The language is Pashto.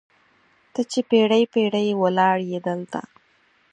ته چې پیړۍ، پیړۍ ولاړیې دلته